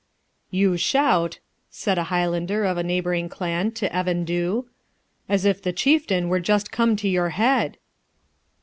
'You shout,' said a Highlander of a neighbouring clan to Evan Dhu, 'as if the Chieftain were just come to your head.'